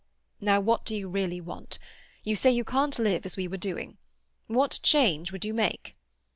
"Now, what do you really want? You say you can't live as we were doing. What change would you make?"